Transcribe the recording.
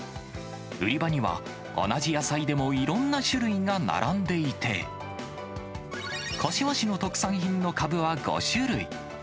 売り場には、同じ野菜でもいろんな種類が並んでいて、柏市の特産品のかぶは５種類。